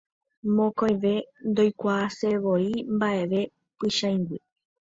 Mokõive ndoikuaaseivoi mba'eve Pychãigui.